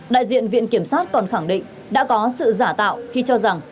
đại diện viện kiểm sát còn khẳng định đã có sự giả tạo khi cho rằng